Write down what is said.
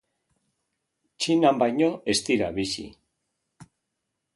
Txinan baino ez dira bizi.